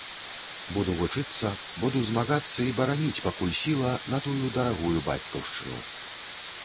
Буду вучыцца, буду змагацца і бараніць, пакуль сіла, натую дарагую бацькаўшчыну.